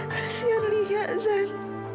kasian lian dan